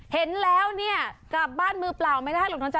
เห็นแล้วเนี่ยกลับบ้านมือเปล่าไม่ได้หรอกน้องจ๊